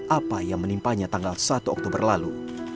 apa yang menimpanya tanggal satu oktober lalu